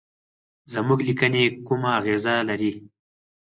زموږ لیکني کومه اغیزه لري.